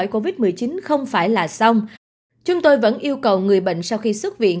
covid một mươi chín không phải là xong chúng tôi vẫn yêu cầu người bệnh sau khi xuất viện